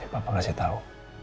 ini papa kasih tau